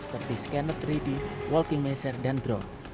seperti scanner tiga d working measure dan drone